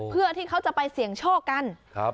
เพื่อที่เขาจะไปเสี่ยงโชคกันครับ